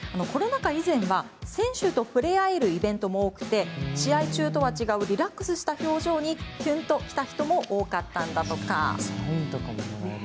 コロナ禍以前は選手と触れ合えるイベントも多く試合中とは違うリラックスした表情にキュンときた人も多かったんだとか。